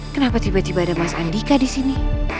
kenapa tiba tiba ada mas andika disini